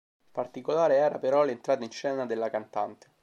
Particolare era però l'entrata in scena della cantante.